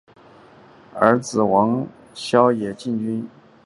儿子王骁也进军娱乐圈。